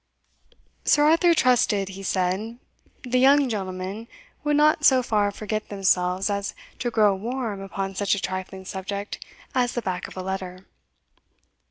Sir Arthur trusted, he said, the young gentlemen would not so far forget themselves as to grow warm upon such a trifling subject as the back of a letter.